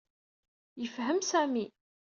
Yefhem Sami.